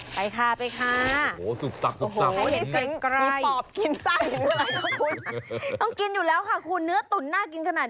ไปค่ะไปค่าาา